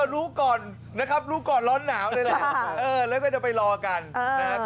รู้ก่อนนะครับรู้ก่อนร้อนหนาวนี่แหละแล้วก็จะไปรอกันนะครับ